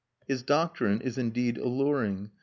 His doctrine is indeed alluring.